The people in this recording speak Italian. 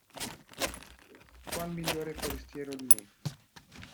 Qual migliore forestiero di me?